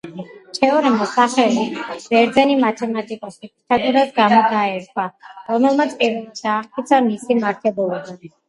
თეორემას სახელი ბერძენი მათემატიკოსი პითაგორას გამო დაერქვა, რომელმაც პირველად დაამტკიცა მისი მართებულობა.